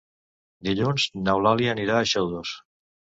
Dilluns n'Eulàlia anirà a Xodos.